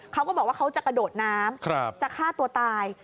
เขาก็บอกว่าเขาจะกระโดดน้ำจะฆ่าตัวตาย